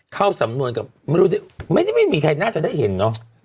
เข้าสำนวนกับไม่รู้ไม่มีใครน่าจะได้เห็นเนอะ